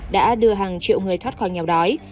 đã đưa hàng triệu người thoát khỏi nghèo đói